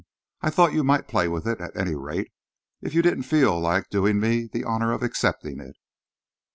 I thought you might play with it, at any rate, if you didn't feel like doing me the honour of accepting it."